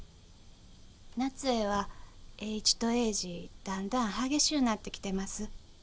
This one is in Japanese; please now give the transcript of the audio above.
ナツへは栄一と栄次だんだん激しゅうなってきてます。